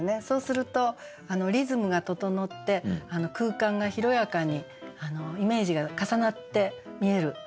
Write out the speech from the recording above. そうするとリズムが整って空間が広やかにイメージが重なって見える。